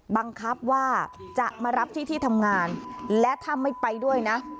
บังคับว่าจะมารับที่ที่ทำงานและถ้าไม่ไปด้วยนะ